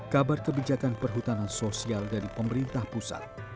kabar kebijakan perhutanan sosial dari pemerintah pusat